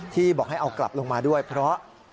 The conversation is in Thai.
ที่บอกให้เอากลับลงมาด้วยเพราะ